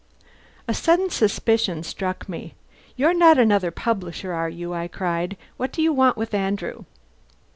A sudden suspicion struck me. "You're not another publisher, are you?" I cried. "What do you want with Andrew?"